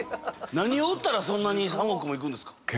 何を売ったらそんなに３億もいくんですか？